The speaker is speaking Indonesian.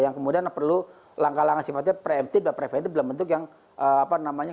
yang kemudian perlu langkah langkah sifatnya preemptif dan preventif dalam bentuk yang apa namanya